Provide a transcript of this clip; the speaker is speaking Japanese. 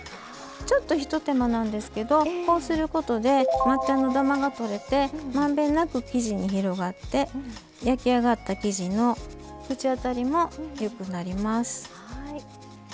ちょっとひと手間なんですけどこうすることで抹茶のダマがとれてまんべんなく生地に広がって焼き上がった生地の口当たりもよくなります。